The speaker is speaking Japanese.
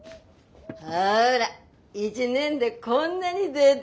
ほら１年でこんなに出だ！